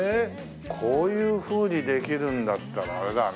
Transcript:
こういうふうにできるんだったらあれだね。